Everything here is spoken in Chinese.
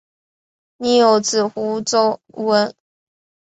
宁有子胡虔。